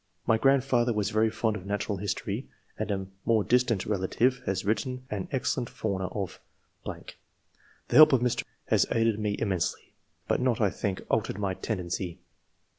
My grandfather was very fond of natural history, and a [more distant] relative has written an excellent fauna of .... The help of Mr. .... has aided me immensely, but not, I think, altered my tendency."